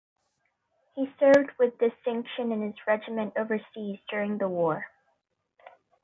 He served with distinction in his regiment overseas during the war.